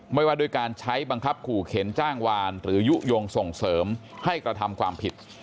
ว่าด้วยการใช้บังคับขู่เข็นจ้างวานหรือยุโยงส่งเสริมให้กระทำความผิด